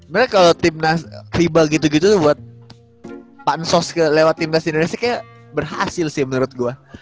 mereka tim nasi viva gitu gitu buat pancos ke lewat timnas indonesia berhasil sih menurut gua